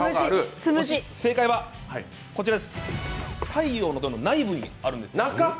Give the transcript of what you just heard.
正解は太陽の塔の中にあるんです。